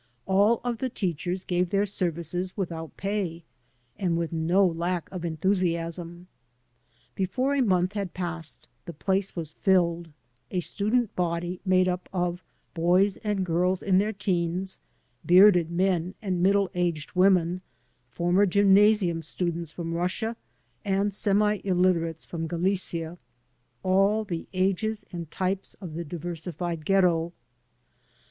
All of the teachers gave their services without pay and with no lack of enthusiasm. Before a month had passed the place was filled — ^a student body made up of boys and girls in their teens, bearded men and middle aged women, former gymnasium students from Russia and semi illiterates from Galicia — all the ages and types of the diversified Ghetto.